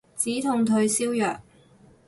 止痛退燒藥